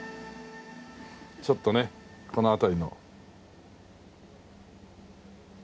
ちょっとねこの辺りの。